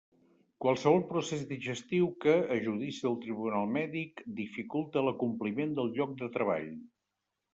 Qualsevol procés digestiu que, a judici del Tribunal Mèdic, dificulte l'acompliment del lloc de treball.